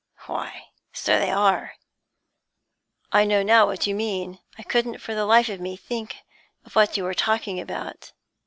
'Why, so they are. I know now what you mean; I couldn't for the life of me think what you were talking about.'